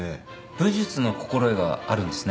武術の心得があるんですね。